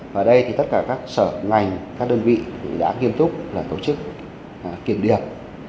và ở đây thì tất cả các sở ngành các đơn vị cũng đã nghiêm túc là tổ chức kiểm điệp